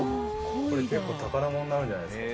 これ結構宝物になるんじゃないですか？